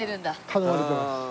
頼まれてます。